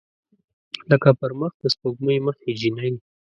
لکه پر مخ د سپوږمۍ مخې جینۍ